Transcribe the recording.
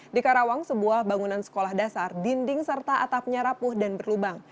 di karawang sebuah bangunan sekolah dasar dinding serta atapnya rapuh dan berlubang